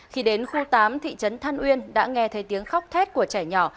khi đến khu tám thị trấn than uyên đã nghe thấy tiếng khóc thét của trẻ nhỏ